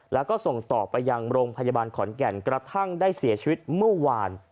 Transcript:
แล้วก็ส่งต่อไปยังโรงพยาบาลขอนแก่นกระทั่งได้เสียชีวิตเมื่อวาน